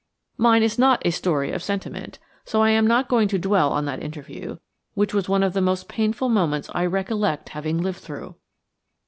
Mine is not a story of sentiment, so I am not going to dwell on that interview, which was one of the most painful moments I recollect having lived through.